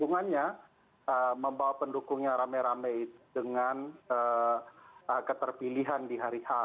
dukungannya membawa pendukungnya rame rame dengan keterpilihan di hari h